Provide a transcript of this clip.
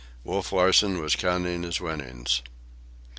Wolf Larsen was counting his winnings.